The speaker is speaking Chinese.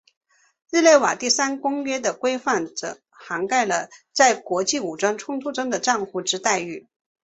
日内瓦第三公约的规范则涵盖了在国际武装冲突中的战俘之待遇。